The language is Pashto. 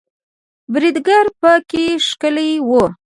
بریدګر په کې ښکیل وو